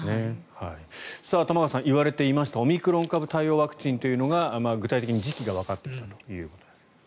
玉川さん、いわれていましたオミクロン株対応ワクチンというのが具体的に時期がわかってきたということですが。